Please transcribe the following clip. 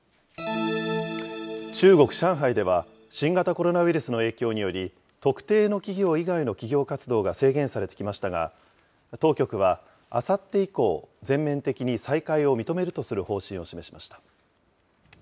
中国・上海では、新型コロナウイルスの影響により、特定の企業以外の企業活動が制限されてきましたが、当局は、あさって以降、全面的に再開を認めるとする方針を示しました。